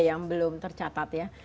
yang belum tercatat ya